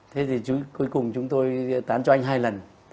thế thì cuối cùng chúng tôi tán cho anh hai lần